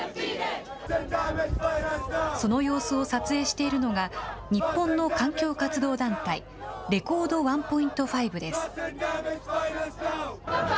その様子を撮影しているのが、日本の環境活動団体、ｒｅｃｏｒｄ１．５です。